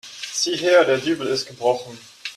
Sieh hier, der Dübel ist gebrochen.